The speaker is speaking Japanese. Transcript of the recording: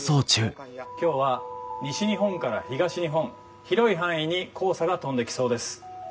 「今日は西日本から東日本広い範囲に黄砂が飛んできそうです」。